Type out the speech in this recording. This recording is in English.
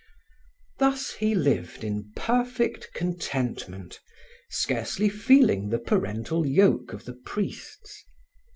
Thus he lived in perfect contentment, scarcely feeling the parental yoke of the priests.